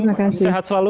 terima kasih sehat selalu